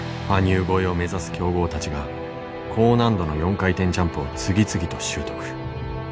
羽生超えを目指す強豪たちが高難度の４回転ジャンプを次々と習得。